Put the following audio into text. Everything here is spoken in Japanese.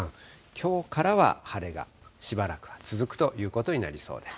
きょうからは晴れがしばらくは続くということになりそうです。